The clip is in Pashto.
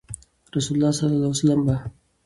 رسول الله صلی الله عليه وسلم به